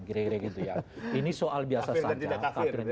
kira kira gitu ya ini soal biasa saja